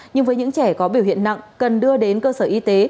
nhưng với những trẻ có biểu hiện nặng cần đưa đến cơ sở y tế